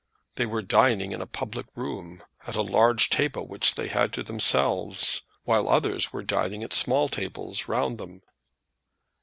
They were dining in a public room, at a large table which they had to themselves, while others were dining at small tables round them.